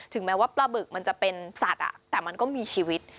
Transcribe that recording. แม้ว่าปลาบึกมันจะเป็นสัตว์แต่มันก็มีชีวิต